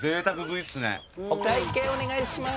お会計お願いします。